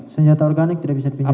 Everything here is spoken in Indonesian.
senjata organik tidak bisa dipikirkan